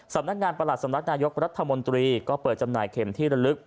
สำนักงานประหลัดสำนักนายกรัฐมนตรีก็เปิดจำหน่ายเข็มที่ระลึก